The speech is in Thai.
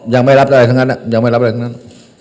ยังไม่รับอะไรทั้งนั้นยังไม่รับอะไรทั้งนั้น